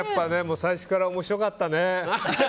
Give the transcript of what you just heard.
最初から面白かったね。